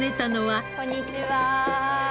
あっこんにちは。